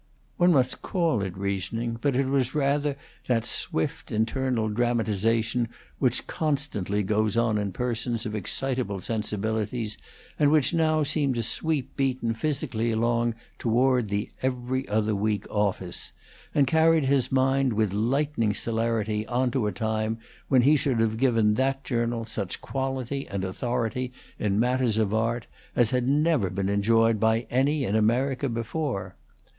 One must call it reasoning, but it was rather that swift internal dramatization which constantly goes on in persons of excitable sensibilities, and which now seemed to sweep Beaton physically along toward the 'Every Other Week' office, and carried his mind with lightning celerity on to a time when he should have given that journal such quality and authority in matters of art as had never been enjoyed by any in America before.